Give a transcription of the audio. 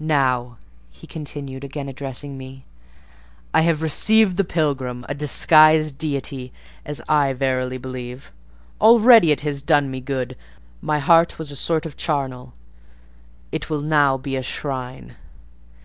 "Now," he continued, again addressing me, "I have received the pilgrim—a disguised deity, as I verily believe. Already it has done me good: my heart was a sort of charnel; it will now be a shrine."